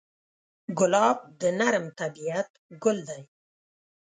ګلاب د نرم طبعیت ګل دی.